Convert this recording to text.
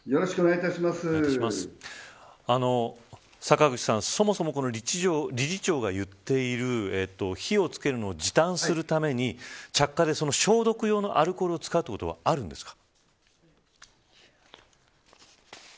坂口さん、そもそも理事長が言っている火をつけるのを時短するために着火で消毒用のアルコールを使うということはあるんですか。